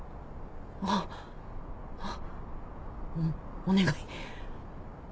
あっおお願い。